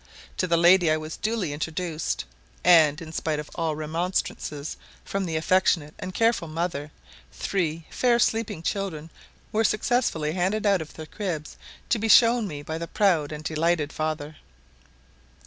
To the lady I was duly introduced; and, in spite of all remonstrances from the affectionate and careful mother, three fair sleeping children were successively handed out of their cribs to be shown me by the proud and delighted father.